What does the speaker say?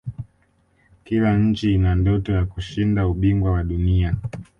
kila nchi ina ndoto ya kushinda ubingwa wa dunia